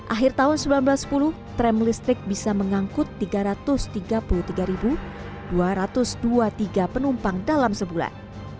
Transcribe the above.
akhir tahun seribu sembilan ratus sepuluh tram listrik bisa mengangkut tiga ratus tiga puluh tiga dua ratus dua puluh tiga penumpang dalam sebulan